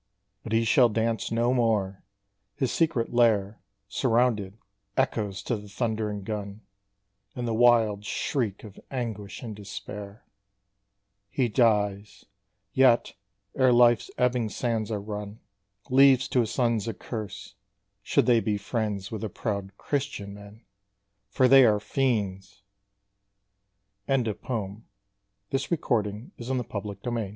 But he shall dance no more! His secret lair, Surrounded, echoes to the thundering gun, And the wild shriek of anguish and despair! He dies yet, ere life's ebbing sands are run, Leaves to his sons a curse, should they be friends With the proud "Christian men," for they are fiends! Thomas Pringle. _THE CAPE OF STORMS.